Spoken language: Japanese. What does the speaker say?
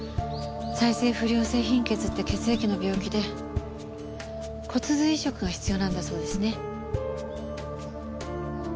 再生不良性貧血って血液の病気で骨髄移植が必要なんだそうですね。